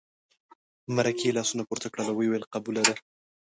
مرکې لاسونه پورته کړل او ویې ویل قبوله ده.